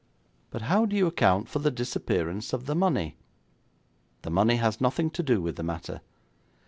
'But how do you account for the disappearance of the money?' 'The money has nothing to do with the matter.